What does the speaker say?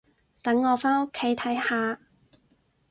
等我返屋企睇下